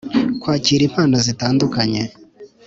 Kwakira impano zitandukanye